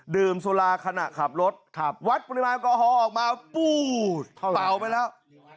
ดื่มสุราขณะขับรถวัดปริมาณแอลกอฮอล์ออกมาปูเป่าไปแล้ว